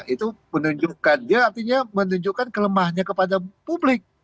itu menunjukkan dia artinya menunjukkan kelemahannya kepada publik